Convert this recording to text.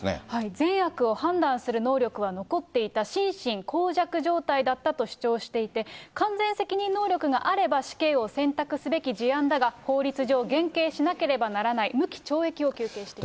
善悪を判断する能力は残っていた、心神耗弱状態だったと主張していて、完全責任能力があれば死刑を選択すべき事案だが、法律上減刑しなければならない、無期懲役を求刑しています。